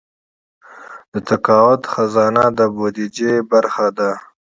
د تقاعد خزانه د بودیجې برخه ده